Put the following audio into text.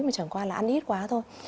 mà chẳng qua là ăn ít quá thôi